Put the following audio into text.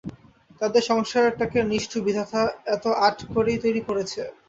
তাদের সংসারটাকে নিষ্ঠুর বিধাতা এত আঁট করেই তৈরি করেছে?